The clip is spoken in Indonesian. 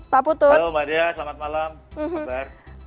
halo mbak dya selamat malam